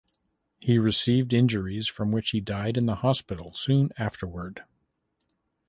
He received injuries from which he died in the hospital soon afterward.